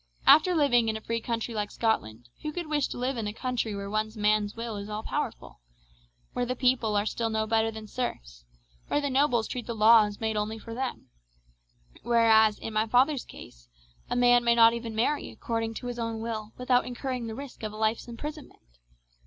After living in a free country like Scotland, who could wish to live in a country where one man's will is all powerful where the people are still no better than serfs where the nobles treat the law as made only for them where, as in my father's case, a man may not even marry according to his own will without incurring the risk of a life's imprisonment?